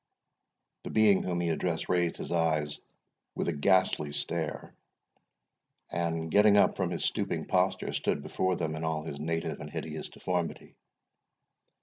The being whom he addressed raised his eyes with a ghastly stare, and, getting up from his stooping posture, stood before them in all his native and hideous deformity.